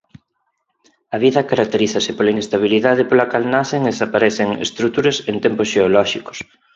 A vida caracterízase pola inestabilidade pola cal nacen e desaparecen estruturas en tempos xeolóxicos.